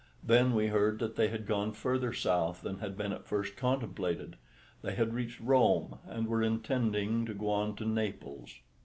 Then we heard that they had gone further south than had been at first contemplated; they had reached Rome, and were intending to go on to Naples.